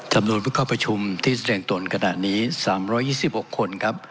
สำนวนวิเคราะห์ประชุมที่แสดงตนกระดาษนี้๓๒๖คนครับ